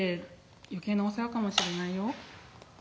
余計なお世話かもしれないよ」。